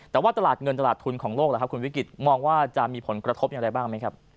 แต่ว่าตลาดเงินตลาดทุนของโลกมองว่าจะมีผลกระทบไหนบ้าง